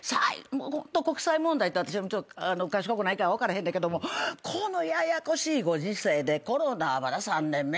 国際問題って私は賢くないから分からへんねんけどもこのややこしいご時世でコロナはまだ３年目。